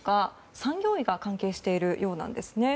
産業医が関係しているようなんですね。